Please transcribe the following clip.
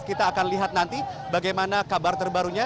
kita akan lihat nanti bagaimana kabar terbarunya